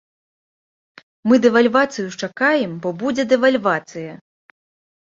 Мы дэвальвацыю чакаем, бо будзе дэвальвацыя.